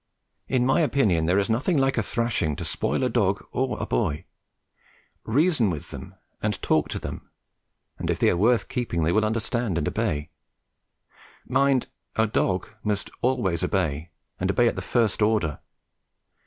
In my opinion there is nothing like a thrashing to spoil a dog or a boy; reason with them and talk to them, and if they are worth keeping they will understand and obey. Mind, a dog must always obey, and obey at the first order.